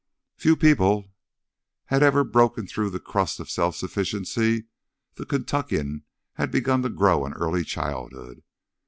Few people had ever broken through the crust of self sufficiency the Kentuckian had begun to grow in early childhood.